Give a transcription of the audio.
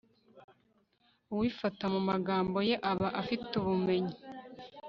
uwifata mu magambo ye aba afite ubumenyi